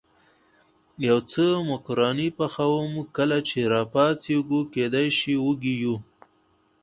یو څه مکروني پخوم، کله چې را پاڅېږو کېدای شي وږي یو.